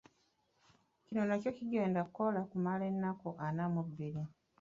Kino nakyo kigenda kukola okumala ennaku ana mu bbiri.